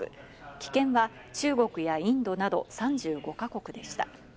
棄権は中国やインドなど３５か国でした。